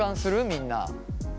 みんな。